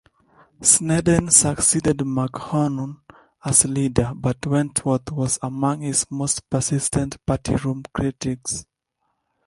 Snedden succeeded McMahon as leader, but Wentworth was among his most persistent party-room critics.